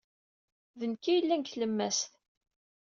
D nekk ay yellan deg tlemmast.